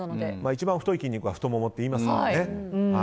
一番太い筋肉は太ももっていいますからね。